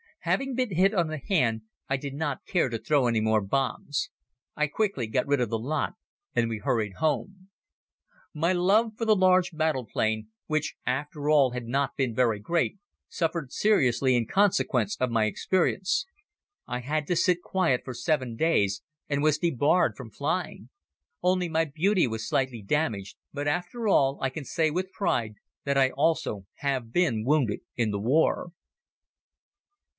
Having been hit on the hand I did not care to throw any more bombs. I quickly got rid of the lot and we hurried home. My love for the large battle plane, which after all had not been very great, suffered seriously in consequence of my experience. I had to sit quiet for seven days and was debarred from flying. Only my beauty was slightly damaged, but after all, I can say with pride that I also have been wounded in the war.